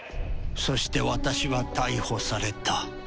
そして私は逮捕された。